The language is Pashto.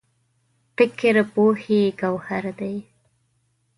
فکر پوهې ګوهر دی.